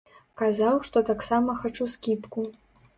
Казаў, што таксама хачу скібку.